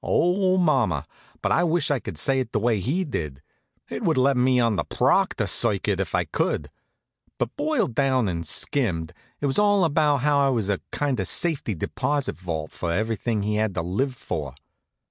Oh, mama! but I wish I could say it the way he did! It would let me on the Proctor circuit, if I could. But boiled down and skimmed, it was all about how I was a kind of safety deposit vault for everything he had to live for.